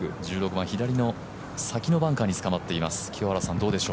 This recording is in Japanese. １６番、左の先のバンカーに捕まっています。